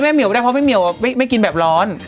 แม่เมียวได้ไม่เมียวไม่กินแบบร้อน